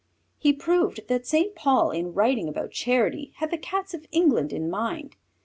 he proved that Saint Paul in writing about charity had the Cats of England in mind.